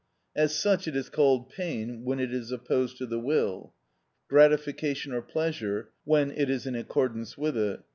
As such it is called pain when it is opposed to the will; gratification or pleasure when it is in accordance with it.